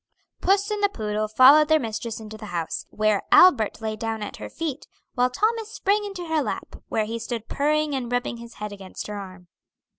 Puss and the poodle followed their mistress into the house, where Albert lay down at her feet, while Thomas sprang into her lap, where he stood purring and rubbing his head against her arm.